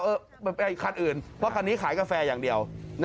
คันอื่นเพราะคันนี้ขายกาแฟอย่างเดียว